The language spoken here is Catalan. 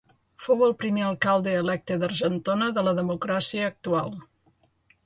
Fou el primer alcalde electe d'Argentona de la democràcia actual.